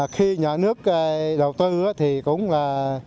khi nhà nước đầu tư thì cũng là